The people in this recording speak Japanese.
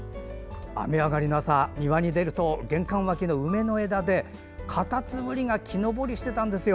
雨上がりの朝、庭に出ると玄関脇の梅の枝でカタツムリが木登りしてたんですよ。